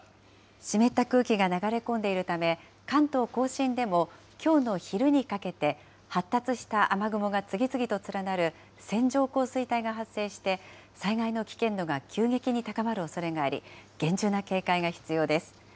湿った空気が流れ込んでいるため、関東甲信でもきょうの昼にかけて、発達した雨雲が次々と連なる線状降水帯が発生して、災害の危険度が急激に高まるおそれがあり、厳重な警戒が必要です。